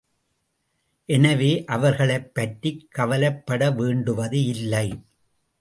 எனவே அவர்களைப் பற்றிக் கவலைப்பட வேண்டுவது இல்லை.